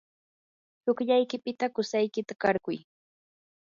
tsukllaykipita qusaykita qarquy.